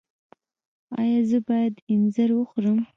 ایا زه باید انځر وخورم؟